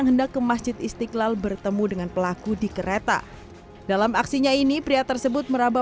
hendak ke masjid istiqlal bertemu dengan pelaku di kereta dalam aksinya ini pria tersebut merabah